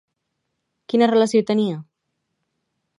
Quina relació hi tenia?